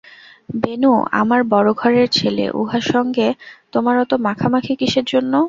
বেণু আমার বড়ো ঘরের ছেলে, উহার সঙ্গে তোমার অত মাখামাখি কিসের জন্য।